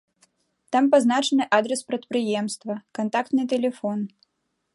Там пазначаны адрас прадпрыемства, кантактны тэлефон.